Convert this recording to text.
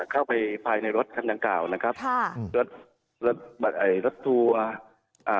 เข้าไปภายในรถทำนักกล่าวนะครับค่ะรถรถรถทัวร์อ่า